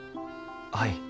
はい。